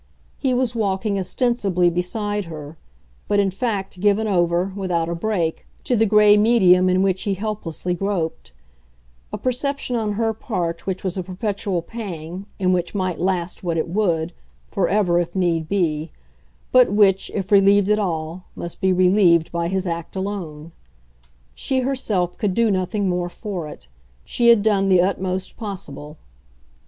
He was walking ostensibly beside her, but in fact given over, without a break, to the grey medium in which he helplessly groped; a perception on her part which was a perpetual pang and which might last what it would for ever if need be but which, if relieved at all, must be relieved by his act alone. She herself could do nothing more for it; she had done the utmost possible.